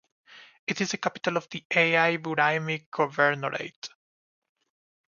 It is the capital of the Al Buraimi Governorate.